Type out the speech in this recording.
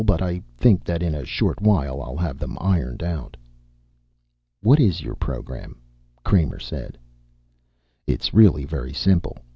But I think that in a short while I'll have them ironed out." "What is your program?" Kramer said. "It's really very simple.